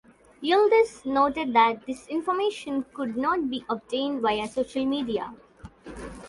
Yildiz noted that this information could not be obtained via social media.